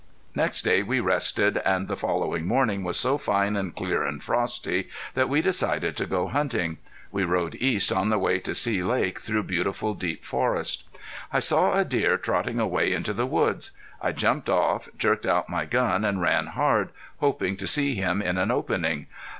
Next day we rested, and the following morning was so fine and clear and frosty that we decided to go hunting. We rode east on the way to See Lake through beautiful deep forest. I saw a deer trotting away into the woods. I jumped off, jerked out my gun, and ran hard, hoping to see him in an opening.